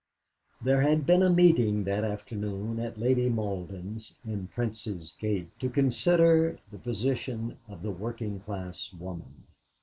There had been a meeting that afternoon at Lady Malden's in Prince's Gate to consider the position of the working class woman.